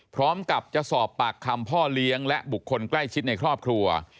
พร้อมกับจะสอบปากคำพ่อเลี้ยงและบุคคลใกล้ชิดในครอบครัว